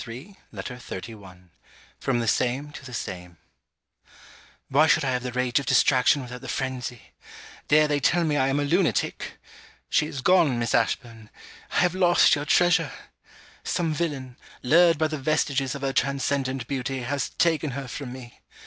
MURDEN LETTER XXXI FROM THE SAME TO THE SAME Why should I have the rage of distraction without the phrenzy? Dare they tell me I am a lunatic? She is gone, Miss Ashburn? I have lost your treasure! Some villain, lured by the vestiges of her transcendent beauty, has taken her from me.